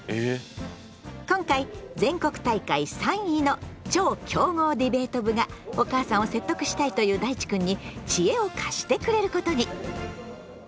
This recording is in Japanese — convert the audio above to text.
今回全国大会３位の超強豪ディベート部がお母さんを説得したいというだいちくんに知恵を貸してくれることに！